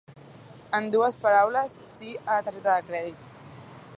En dues paraules, sí a la targeta de crèdit.